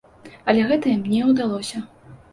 Але гэта ім не ўдалося.